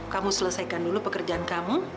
kamu selesaikan dulu pekerjaan kamu